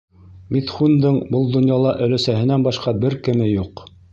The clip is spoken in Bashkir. Митхундың был донъяла өләсәһенән башҡа бер кеме юҡ.